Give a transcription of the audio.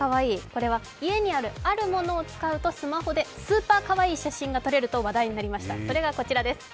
これは家にあるあるものを使うと、スマホでスーパーかわいい写真が撮れると話題になりました。